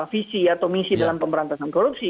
visi atau misi dalam pemberantasan korupsi